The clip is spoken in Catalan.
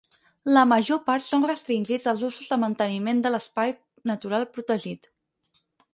La major part són restringits als usos de manteniment de l'espai natural protegit.